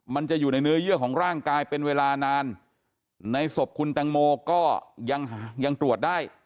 มันจะอยู่ในเนื้อเยื่อของร่างกายเป็นเวลานานในศพคุณตังโมก็ยังยังตรวจได้